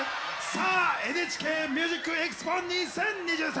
さあ「ＮＨＫＭＵＳＩＣＥＸＰＯ２０２３」